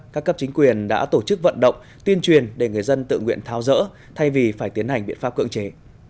các cấp chính quyền đã tổ chức vận động tuyên truyền để người dân tự nguyện tháo rỡ thay vì phải tiến hành biện pháp cưỡng chế